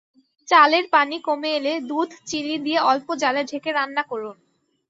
চালের পানি কমে এলে দুধ, চিনি দিয়ে অল্প জ্বালে ঢেকে রান্না করুন।